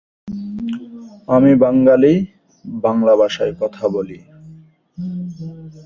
এরপর খুব অল্প সময়ের মধ্যেই এই প্রযুক্তিটি ইউরোপের অন্যান্য শহরে ছড়িয়ে পড়ে।